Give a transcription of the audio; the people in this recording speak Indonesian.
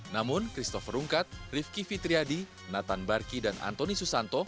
namun christopher rungkat rifki fitriadi nathan barki dan antoni susanto